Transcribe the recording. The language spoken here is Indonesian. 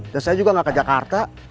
dan saya juga gak ke jakarta